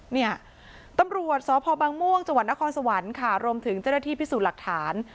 เนี่ยตำรวจสพมจนครสวรรค์รวมถึงเจ้าหน้าที่พิสูจน์หลักฐาน